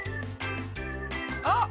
あっ！